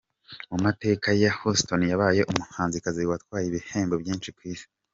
Mu mateka ye, Houston yabaye umuhanzikazi watwaye ibihembo byinshi ku isi.